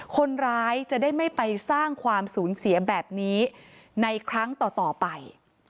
คนร้ายจะได้ไม่ไปสร้างความสูญเสียแบบนี้ในครั้งต่อไป